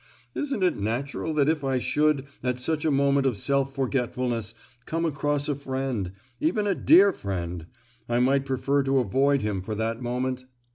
Isn't it natural that if I should, at such a moment of self forgetfulness come across a friend—even a dear friend, I might prefer to avoid him for that moment?